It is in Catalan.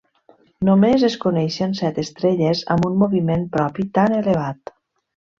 Només es coneixen set estrelles amb un moviment propi tan elevat.